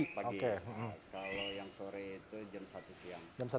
kalau yang sore itu jam satu siang